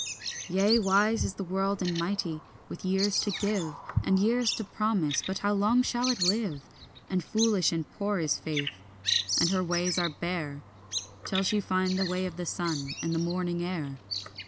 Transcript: Yea, wise is the world and mighty, with years to give, And years to promise; but how long now shall it live? And foolish and poor is faith, and her ways are bare, Till she find the way of the sun, and the morning air.